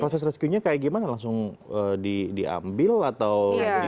proses rescuenya kayak gimana langsung diambil atau